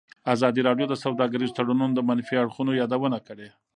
ازادي راډیو د سوداګریز تړونونه د منفي اړخونو یادونه کړې.